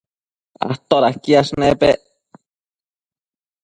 todaquiash nepec?